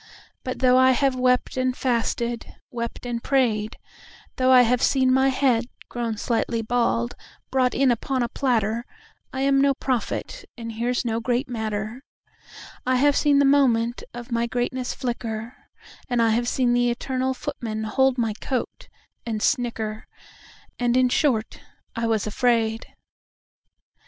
But though I have wept and fasted, wept and prayed, Though I have seen my head (grown slightly bald) brought in upon a platter,I am no prophet—and here's no great matter;I have seen the moment of my greatness flicker, And I have seen the eternal Footman hold my coat, and snicker, And in short, I was afraid.